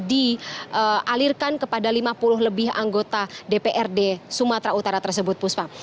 dialirkan kepada lima puluh lebih anggota dprd sumatera utara tersebut puspa